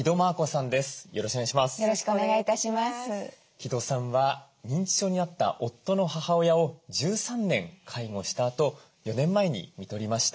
城戸さんは認知症になった夫の母親を１３年介護したあと４年前にみとりました。